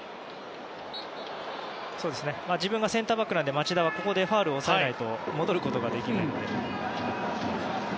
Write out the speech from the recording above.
自分がセンターバックなので町田はあそこでファウルで抑えないと戻ることができないので。